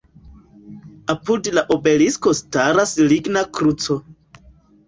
Apud la obelisko staras ligna kruco.